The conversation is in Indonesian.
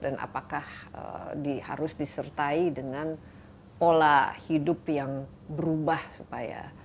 dan apakah harus disertai dengan pola hidup yang berubah supaya